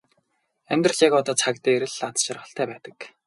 Амьдрал яг одоо цаг дээр л аз жаргалтай байдаг.